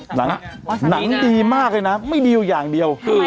หนังดีมากเลยนะไม่ดีอยู่อย่างเดียว